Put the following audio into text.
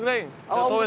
lúc nay ché đúnghrul